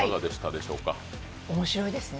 面白いですね。